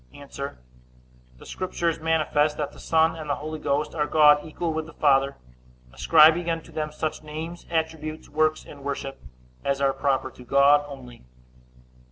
A. The Scriptures manifest that the Son and the Holy Ghost are God equal with the Father, ascribing unto them such names, attributes, works, and worship, as are proper to God only.